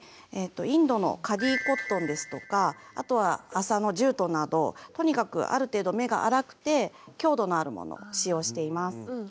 インドのカディコットンですとかあとは麻のジュートなどとにかくある程度目が粗くて強度のあるものを使用しています。